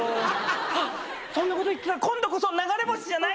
あっそんなこと言ってたら今度こそ流れ星じゃない？